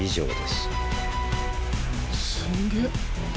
すんげっ。